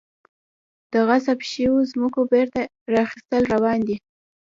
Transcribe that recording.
د غصب شویو ځمکو بیرته اخیستل روان دي؟